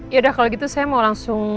yaudah kalau gitu saya mau langsung